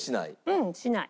うんしない。